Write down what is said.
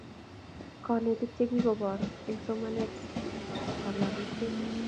konetik chegigoboor eng somanetab nobishet